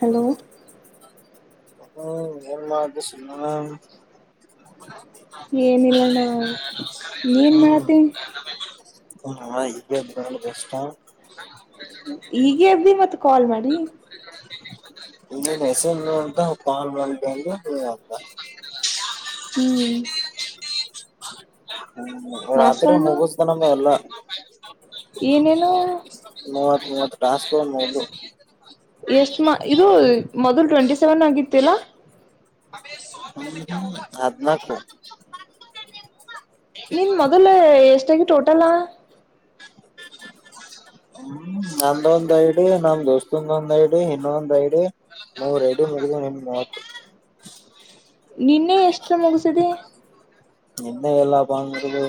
Hello ಹ್ಮ ಏನ್ಮ್ ಅಂತ ಸಣ ಏನಿಲ್ಲಣ್ಣ ನೀಮಾಡತೀ ಹ ಈಗ ಬೆಷ್ಟ ಈಗ ಎದ್ದಿ ಮತ್ ಕಾಲ್ ಮಾಡಿ ಇ ವಸ ಆಂತ ಪ ಮಾಡ ಆ ಹ್ಮ್ ಹ್ಮ ನಾಷ್ಟ ರಾತ್ರಿ ಅಣ್ಣ ಮುಗುಸ್ಕೊಳ್ಳೋದೇ ಇಲ್ಲ ಏನೇನು ಹ ಮ ಇವತ್ತು ಟಾಸ್ಕ್ ಏನ್ ಮುಗುದ್ವು ಎಷ್ಟ ಮಾ ಇದು ಮೊದಲು ಟ್ವೆಂಟಿ ಸೆವೆನ್ ಆಗಿತ್ತಿಲ್ಲಾ ಆದ್ ನತ ನೀನ್ ಮೊದಲ್ ಎಷ್ಟಾಗಿ ಟೋಟಲ ಹ್ಮ್ ನಂದ ಒಂದ್ ಐಡ್ ನಮ ದೋಸ್ತಂದ ಒಂದ್ಐಡ್ ಇನ್ನೊಂದ್ ಐಡ್ ನೂರ ಐಡಿ ಮುಗ ನಿಮ ಮೂತ್ ನಿನ್ನೆ ಎಷ್ಟು [unintelligible] ಮುಗಿಸಿದೆ ನಿನ್ನೆ ಎಲ್ಲಾ ಬಂದು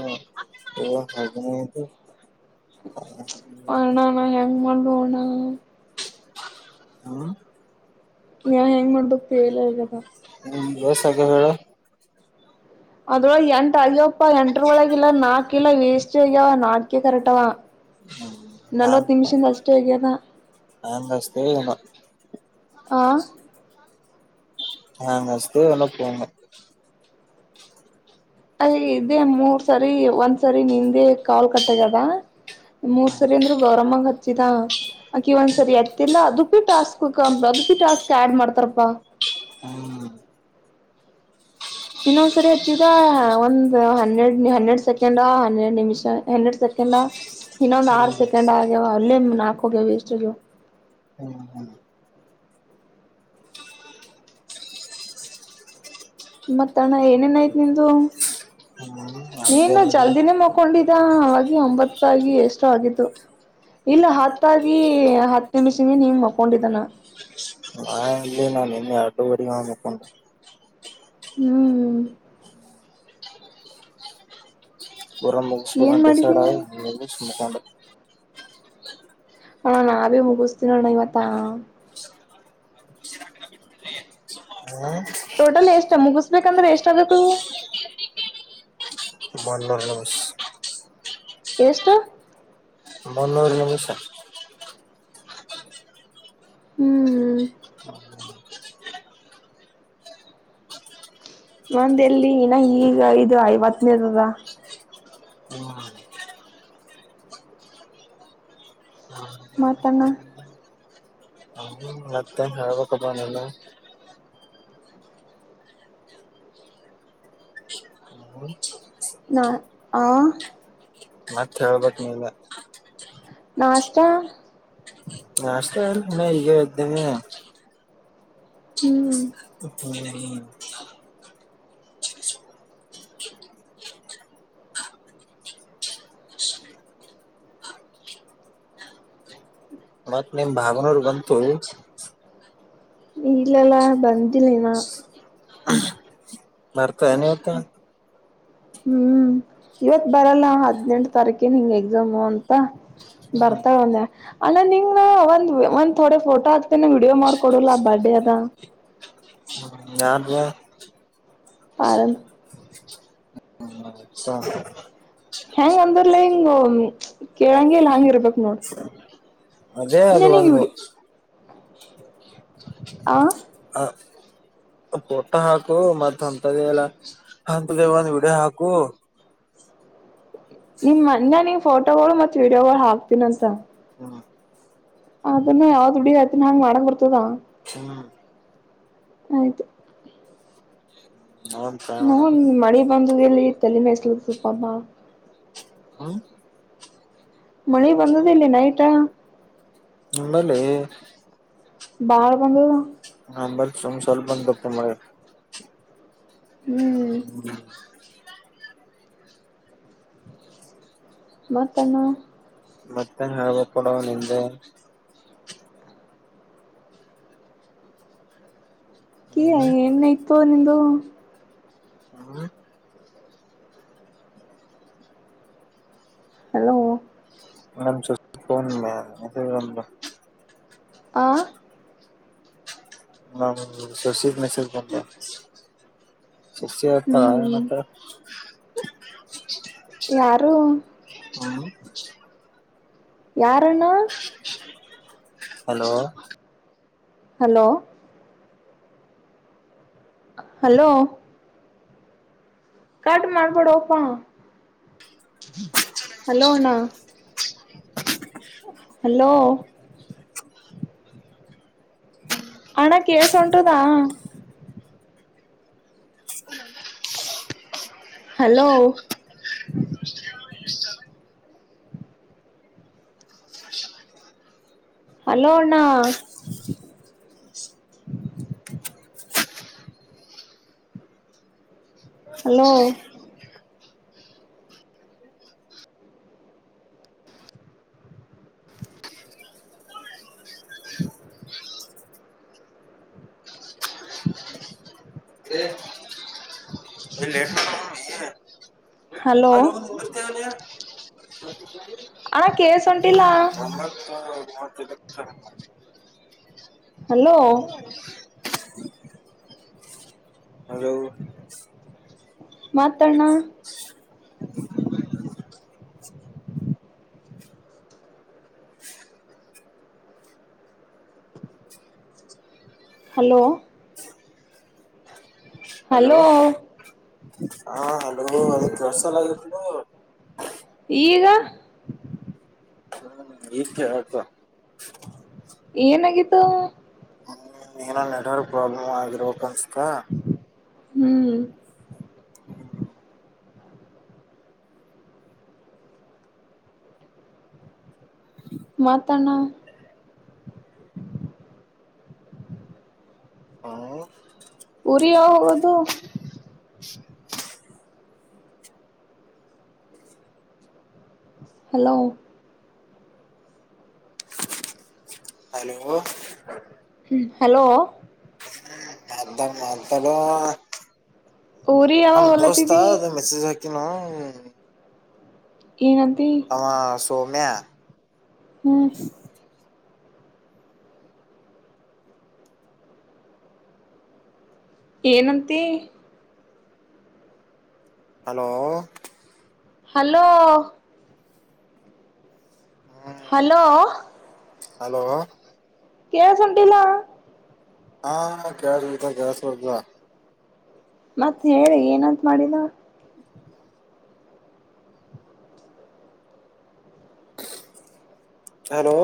[unintelligible] ಅಣ್ಣ ನಾ ಹೆಂಗ್ ಮಾಡ್ಲಿ ಹೋಗ್ [unintelligible] ನ [unintelligible] ಹ್ಮ [unintelligible] ನಾ ಹೆಂಗ್ ಮಾಡಬೇಕು ತಿಳಿಯಲಾಗದ [unintelligible] ಹ್ಮ್ ಬಸ್ ಹಾಗೆ [unintelligible] ಅದೋ ಎಂಟ್ ಅಯ್ಯೋಪ್ಪ ಎಂಟ್ [unintelligible] ಟ್ರ [unintelligible] ಒಳಗಿಲ್ಲ ನಾಕು ಇಲ್ಲಾ ವೇಸ್ಟ್ [unintelligible] ನಾಟಕೆ ಕರೆಕ್ಟಾವಾ ಹಾ ಆಗ್ಯದ ಆನೆಸ್ಥೆನೋ [unintelligible] ಹ ಹಾಂಗ ಸೇಣ [unintelligible] ಫೋನ್ ಅಲ್ಲಿ ಇದೇ ಮೂರ್ ಸರಿ ಒಂದ್ಸರಿ ನಿಂದೇ ಕಾಲ್ ಕಟ್ಟಗ್ಯದ ಮೂರ್ ಸರಿ ಅಂದ್ರರು ಗೌರಮಾ ಗ್ ಹಚ್ಚಿದ ಆಕಿ ಒಂದ್ಸರಿ ಎತ್ತಿಲ್ಲ ಅದ ಟಾಸ್ಕ್ [unintelligible] ಟಾಸ್ಕ್ ಆ್ಯಡ್ ಮಾಡ್ತಾರಪ್ಪಾ. ಹ್ಮ್. ಇನ್ನೊಂದ್ಸರಿ ಹಚ್ಚಿದ ಒಂದ್ ಹನ್ನೆಡ್ ಹನ್ನೆರಡ್ ಸೆಕ್ [unintelligible] ಸೆಕಂಡ ಹೆಡ್ ನಿಮಿಷ ಹನ್ನೆರಡ್ ಸೆಕೆಂಡ. ಇನ್ನೊಂದ್ ಆರು ಸೆಕೆಂಡ್ ಆಗ್ಯವ ಅಲ್ಲೇ ನಾಲ್ಕು [unintelligible] [unintelligible] ಹ್ಮ್ ಹ್ಮ್ [unintelligible] [unintelligible] ಮತ್ತ ಅಣ್ಣ ಏನೇನಾಯ್ತು ನಿಂದು ಹ್ಮ್ ನೀನು ಹಂಗೇನಿಲ್ಲ ಜಲ್ದಿನೇ ಮಕೊಂಡಿದ್ದ ಅವಾಗಿ [unintelligible] ಒಂಬತ್ತಾಗಿ ಎಷ್ಟೋ ಆಗಿತ್ತು. ಇಲ್ಲ ಹತ್ತಾಗಿ ಹತ್ ನಿಮಿಷ ನೀಮ ಮಕೊಂಡಿದ್ದಾನ [unintelligible] ಡಿ [unintelligible] ಹ್ಮ್ ಏನ್ ಮಾಡಿದಿ [unintelligible] [unintelligible] [unintelligible] [unintelligible] ಹ್ಮ [unintelligible] ಟೋಟಲ್ ಎಷ್ಟ ಮುಗಿಸ್ಬೇಕಂದ್ರೆ ಎಷ್ಟ [unintelligible] ಆಬೇಕು ಮನ್ ನಸ್ [unintelligible] ಎಷ್ಟು ಮುನ್ನೂರು ನಿಮಿಷ [unintelligible] ಹ್ಮ್ ಒಂದ ಎಲ್ಲಿ ಇನ ಈಗ ಇದು ಐವತ್ತನೇದದ ಹ್ಮ್ ಮಾತಾನ ಹ್ಮ ಮತ್ತ ಹವ ಕ ಬಾನಲ್ಲ ಹ ನಾ ಆ ಮತ್ತೆ ಹೇಳ್ಬೇಕಕ್ ನೀಲ್ಲ ನಾಸ್ತಾ ನಾಷ್ಟತ ಈಗ್ದ ಹ್ಮ್ ತ್ತುಮ ಮತ್ತ ನಿ್ ಭಾವನೂರು ಬಂತು ನೀಲ್ಲಲ್ಲಾ ಬಂದಿಲ್ಲನ ಬರ್ತ ನತ ಹ್ಮ್ ಇವತ್ ಬರಲ್ಲ ಹದ್ನೆೆಂಟ ತಾರೀಕನ್ ಹಿಂಂಗ ಎಕ್ಸಾಮು ಅಂತ ಹ್ಮ್ ಬರ್ತಾ ಒಂದ ಅಲ್ಲ ನಿಂಗ ನ ಒಂದ್ ಒಂದ್ ಥೋಡೆ ಫೋಟೋ ಹಾಕ್ತನ ವಿಡಿಯೋ ಮಾಡ್ಕೊಡಲ್ಲ ಆ ಬರ್ಡೇ ಅದ ನ್ ಪಾರದು ಅಾ ಹೆಂಗ ಅಂದರ್ಲ ಹಿಂಗ ಕೇಳಂಗಗೆ ಇಲ್ ಹಂಗ ಇರ್ಬೇಕಕ್ ನೋಡ ಅದೇ ಅದು ಬಂದು ಆ ಹ ಪುಟ್ಟ ಹಾಕು ಮತ್ತ್ ಹೊಂತದ ಎಲ್ಲ ಅಂತ ಒಂದ ವಿಡೆ ಹಾಕು ನಿಮ್ ಮನ್ಯ ನಿ್ ಫೋಟೋಗಳು ಮತ್ ವೀಡಿಯೋಗಳು ಹಾಕ್ತೀನಂತ ಹ್ಮ್ ಅದನ್ನ ಯಾವ್ದ್ ಬಿಡ ಆಯ್ತಿನ ಹಂಗ ಮಾಡಂಗ ಬರ್ತದ ಹ್ಮ್ ಆಯ್ತು ನನ್ ಪ್ರಯನ ಒಂದು ಎಲ್ಲಿ ಇ ತಲ್ಲಿ ಮೆಸ್ಲು ಸುಪಬ ಹ ಮಳಿ ಬಂದದಲ್ಲಿ ನೈಟಾ ನಿಮ್ಮಲ್ಲಿ ಬಾರ ಬಂದದ ನಂಬ ಸಮ ಸಲು ಬಂದ ತತ ಮಾಡೆ ಹ್ಮ್ ಹ್ಮ [unintelligible] ಮತ ಏನು ಮತ್ತೆ ಹವ ಕೊಡುವ ನಿಂದೆ ಕ ಹ್ಮ್ ಏನ್ಯ್ತೋ ನಿಂದು ಹ್ಮ್ ಹಲೋ ನ ಚನ್ಿಲ್ಲ ಅ [unintelligible] ಆ ಹ ಸಶಿ ಮೆಸೇಜ್ ಬಂತ ಸಚೇತಾ ಹ್ಮ್ ಅನತ್ತ [unintelligible] ಯಾರು ಹ್ಮ್ [unintelligible] ಯಾರ್ಣ ಹಲೋ ಹಲೋ ಹಲೋ ಕಟ್ ಮಾಡ್ಬಿಡುವಪ್ಪ ಹಲೋ ಅಣ್ಣ ಹಲೋ ಆಣಾ ಕೇಸೊಂಟದಾ ಹಲೋ ಹಲೋ ಅಣ್ಣ ಹಲೋ [inaudible] ಹಲೋ ಹಲೋ ಅಣ್ಣಾ ಕೇಲಸ ಹೋಂಟಿಲ್ಲಾ ಒಂಬತ್ತು ಮೂವತ್ತೈದು ಹಲೋ ಹಲೋ ಮಾತ್ ಅಣ್ಣ ಹಲೋ ಹಲೋ ರಸ ಲಾಗಿಲು ಈಗ ಇಗ ಕೇಳುತ್ತಾ ಏನಾಗಿತ್ತುು ಹ್ಮ್ ನೆಟ್ವರ್ಕ್ ಪ್ರಾಬ್ಲಮ್ ಆಗೋ ಹ ಹ್ಮ್ ಮಾತಣ ಹ್ಮ್ ಉರಿಯ ಯಾವಾಗ ಹೋಗದು ಹಲೋ ಹಲೋ ಹ್ಮ ಹಲೋ ಹಲೋ ಊರು ದಸ್ತ ಮೆಸೇಜ್ ಅನ ಏನಂತ ಸಮ್ಮೆ ಹ್ಮ್ ಏನಂತ ಹಲೋ ಹಲೋ ಹಲೋ ಹಲೋ ಕೇಳ್ಸಟಿಲ್ಲ ಹಾ ಕೆ ಇತ ಕೆ ಸ್ರ್ದು ಮತ್ತತ್ ಹೇಳಿ ಏನಂತ ಮಾಡಿದ ಹಲೋ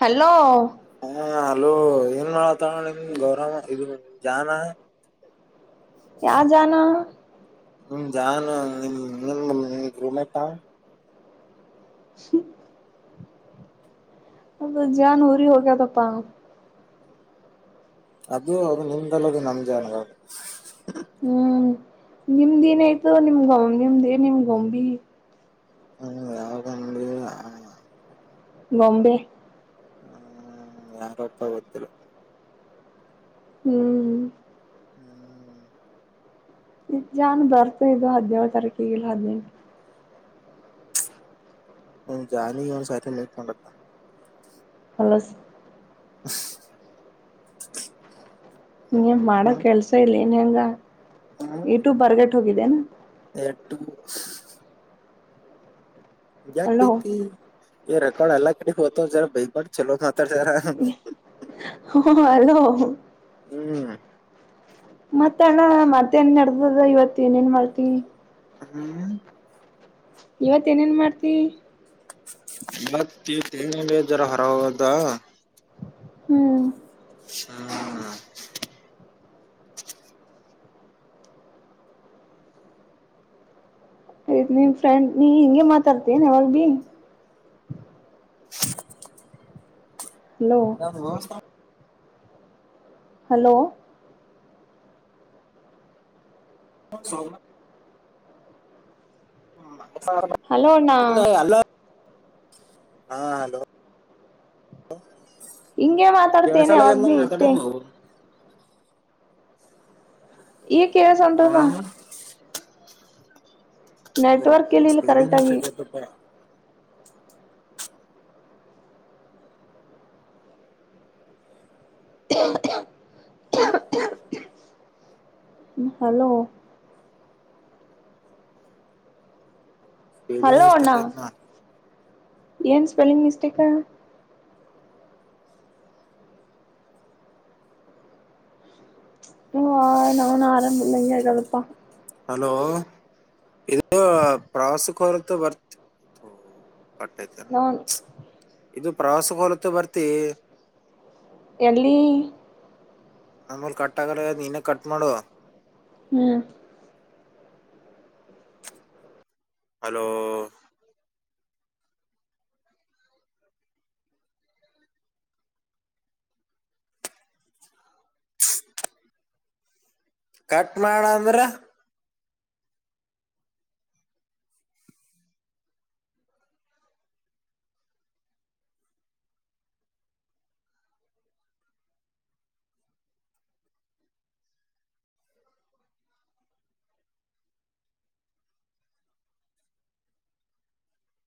ಹಲೋ ಹಾ ಅಲೋ ಏನ್ ಮಾಡ ಗೌರವ ಇದು ಜಾನ ಯ ಜಾನಾ ನಿ ಜನ್ು ನಿ ನಿಮ ನಿೂಮೇಕಾ ಹ್ಮ ಅದು ಜನ್ ಹಊರಿ ಹೋಗ ತಪ್ಪಾ ಅದು ಅದು ನಿಮ್ದಲ್ಲದು ನಮ್ ಜ ಅನ ಹ್ಮ್ ಮಂದ ನೀ ಗೌಬ ಹ್ಮ ಯ ಬಂಬಂಬೆ ಹ್ಮ್ ಯಾರುಪ್ಪ ಗೊತ್ತಿಲ್ಲ ಹ್ಮ್ ಹ್ಮ್ ಇ್ ಜಾನ್ ಬರ್ತ ಇದು ಹದ್ಿನೇಳ ತಾರೀಕಿಗೆಲ್ಲ ಹದ್ಿನೇಳು ಹ್ಮ ಜಾನಿ ಸೊಂಡಲ್ಲ ಹಲಸ್ [unintelligible] ನೀ ಮಾಡ ಹ್ಮ್ ಕೆಲ್ಸ ಇಲ್ಲ ಂಗ ಇಟ್ಟು ಬರ್ಗ ಹೋಗಿದೆನೆ ಎಟು ಯಾಾಗ ಅಲೋ ಬೈತಿ ಎ ರೆಕರ್ಡ್ ಅಲ್ಲಾಗ್ ಇವತ ಜ ಭೈ ಚೋ ಹ ಅಲೋ ಹ್ಮ್ ಮತ್ತ ಅಣ್ಣ ಮತ್ತೇನ್ ನಡದದ ಇವತ್ ಏನ ನ್ ಮಾಡ್ತಿ ಹ್ಮ್ ಇವತ್ ಏನೇನ್ ಮಾಡ್ತಿ ಮತ್ತ ಈತ್ತುಂಗ ಜರ ಹೊರ ಹೋಗದ ಹ್ಮ್ ಹ ಆಯ್ತ್ ನಿಮ್ ಫ್ರೆಂಡ್ ನೀ ಹಿಂಗೆ ಮಾತಾಡ್ತೀ ಏನ್ ಯಾವಾಗ ಭೀ ಹಲೋ ಎ ಅದು ಏಳು ಸಾವಿರ ಹಲೋ [unintelligible] ಹೊಸ ವರ್ಷ ಹಲೋ ಅಣ್ಣ ಇಲ್ಲ ಅಲ್ಲ ಹಾ ಹಲೋ ಹಿಂಗೆ ಮಾತಾಡ್ತೇನೆ ಕೇಳ್ಸಲ ಆಗ್ಯದ ಅವಾಗ ನಾ ಇಷ್ಟೇ ಮಾತಾಡೋದು ಈಗ ಹಾ ಕೇಳಸನ್ದಾವ ಅ ಇಲ್ಲ ಇಲ್ಲಿ ಸ್ಪೆಲ್ಲಿಂಗ್ ಕರೆಕ್ಟ್ ಆಗಿ ಮಿಸ್ಟೇಕ್ ಆಯ್ತಪ್ಪ [unintelligible] ಹಲ್ಲೋ ಸ್ಪೀಲಿಂಗ್ ಹಲೋ ಅಣ್ಣ ಮಿಸ್ಟೇಕ್ ಆಯ್ತಣ್ಣ ಏನ್ ಸ್ಪೆಲಿಂಗ್ ಮಿಸ್ಟೇಕಾ ಹು ಅಣ್ಣ ಹರಮ್ ಎಂಗ ಅದಳಪ್ಪ ಹಲೋ ಇದು ಪ್ರವಾಸಿಕ ಹೊರತ ಬರ್ತಿ ಕಟ್ಟಯಿತಲ್ಲ ನಾನ್ ಇದು ಪ್ರವಾಸಕ್ಕೆ ಹೋಲತ್ತ ಬರ್ತಿ ಎಲ್ಲಿ ನಮ್ಮಲ್ ಕಟ್ ಆಗಲ್ಲ ಆಗಿಲ್ಲ ನೀನೇ ಕಟ್ ಮಾಡು ಹ್ಮ್ ಹಲೋ ಕಟ್ ಮಾಡ್ ಅಂದ್ರ